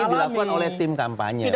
itu dilakukan oleh tim kampanye